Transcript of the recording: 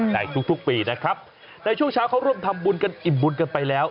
ในทุกปีนะครับในช่วงเช้าเขาร่วมทำบุญกันอิ่มบุญกันไปแล้ว